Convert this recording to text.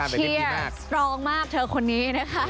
เชียร์สตรองมากเธอคนนี้นะคะ